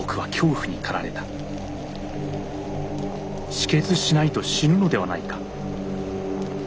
止血しないと死ぬのではないか。